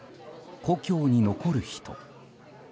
故郷に残る人。